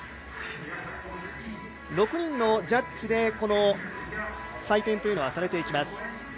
６人のジャッジで採点というのはされていきます。